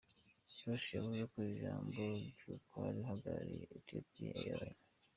Roshan wavuze ijambo nk'uwari uhagarariye Ethipian Airlines .